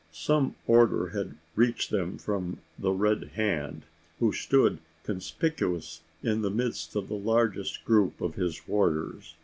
Some order had reached them from the Red Hand, who stood conspicuous in the midst of the largest group of his warriors.